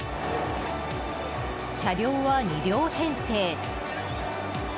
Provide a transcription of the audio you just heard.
車両は２両編成。